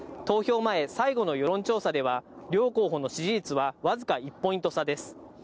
投票前最後の世論調査では、両候補の支持率は僅か１ポイント差です。